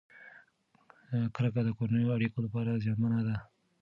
کرکه د کورنیو اړیکو لپاره زیانمنه ده.